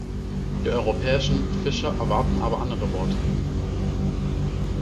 Die europäischen Fischer erwarten aber andere Worte.